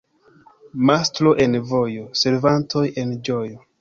Mastro en vojo — servantoj en ĝojo.